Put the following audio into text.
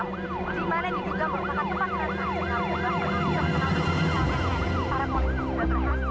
seperti menangkap artis rakyat